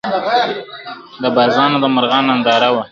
د بازانو د مرغانو ننداره وه !.